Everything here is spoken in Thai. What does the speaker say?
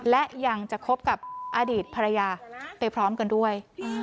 และยังจะคบกับอดีตภรรยาไปพร้อมกันด้วย